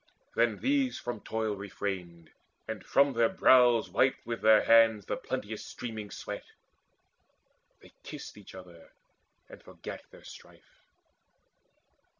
Then these from toil refrained, and from their brows Wiped with their hands the plenteous streaming sweat: They kissed each other, and forgat their strife.